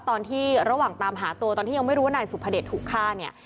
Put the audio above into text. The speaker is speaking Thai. ตอนที่ระหว่างตามหาตัวตอนที่ยังไม่รู้ว่านายสุภเดชถูกฆ่าเนี่ย